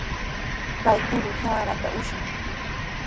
Kay kuru saraata ushan.